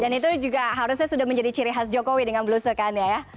dan itu juga harusnya sudah menjadi ciri khas jokowi dengan belusukan ya ya